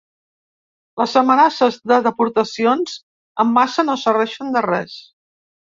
Les amenaces de deportacions en massa no serveixen de res.